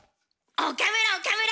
岡村岡村！